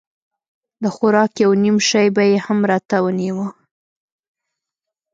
د خوراک يو نيم شى به يې هم راته رانيوه.